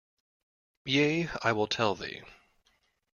Yea, I will tell thee.